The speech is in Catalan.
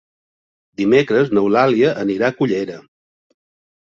Dimecres n'Eulàlia anirà a Cullera.